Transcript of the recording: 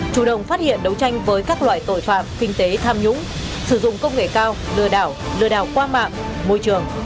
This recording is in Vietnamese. chủ động phát hiện đấu tranh với các loại tội phạm kinh tế tham nhũng sử dụng công nghệ cao lừa đảo lừa đảo qua mạng môi trường